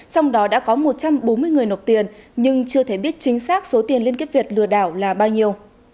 trong đó đã có một trăm bốn mươi người nộp tiền nhưng chưa thể biết chính xác số tiền liên kết việt lừa đảo là bao nhiêu